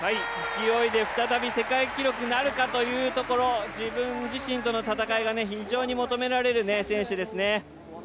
勢いで再び世界記録なるかというところ、自分自身との戦いが非常に求められる選手ですね。